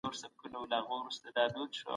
مقدس دین موږ ته اخلاق راښيي.